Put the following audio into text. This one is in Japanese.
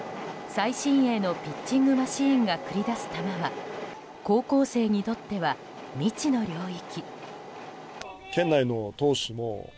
最新鋭のピッチングマシーンが繰り出す球は高校生にとっては未知の領域。